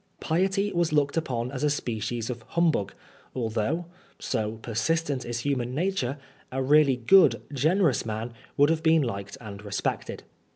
Piety was looked upon as a species of humbug, although (so persistent is human nature) a really good, generous man would have been liked and respected.